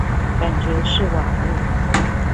感覺是網路